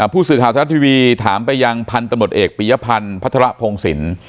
ผู้สื่อข่าวทรัฐทีวีถามไปยังพันธุ์ตำรวจเอกปียพันธ์พัฒระพงศิลป์